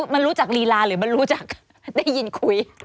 มันรู้จักลีลาหรือมันรู้จักได้ยินคุย